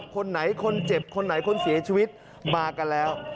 คนไหนคนเจ็บคนไหนคนเสียชีวิตมากันแล้ว